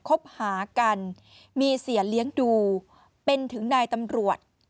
คบหากันมีเสียเลี้ยงดูเป็นถึงนายตำรวจ